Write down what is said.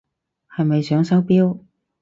係咪想收錶？